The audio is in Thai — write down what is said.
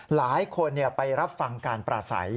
หลายคนเนี่ยไปรับฟังการปราสัย